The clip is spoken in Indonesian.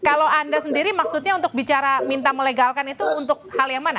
kalau anda sendiri maksudnya untuk bicara minta melegalkan itu untuk hal yang mana